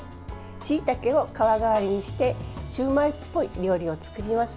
しいたけを皮代わりにしてシューマイっぽい料理を作ります。